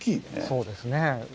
そうですね。